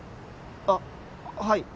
あっはい。